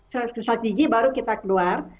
setelah gigi baru kita keluar